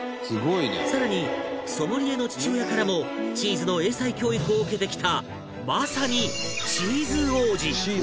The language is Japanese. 更にソムリエの父親からもチーズの英才教育を受けてきたまさに